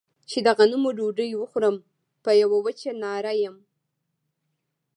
چې د غنمو ډوډۍ وخورم په يوه وچه ناره يم.